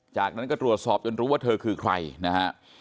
จากนั้นก็ตรวจสอบจนรู้ว่าเธอคือใครนะฮะ